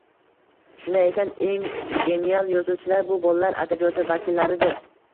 Shunday ekan, eng genial yozuvchilar bu bolalar adabiyoti vakillaridir.